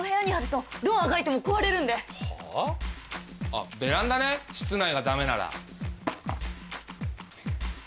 あっベランダね室内がダメなら。